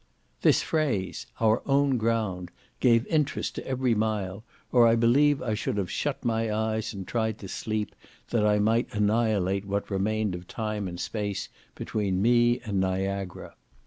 This phrase, "our own ground," gave interest to every mile, or I believe I should have shut my eyes, and tried to sleep, that I might annihilate what remained of time and space between me and Niagara.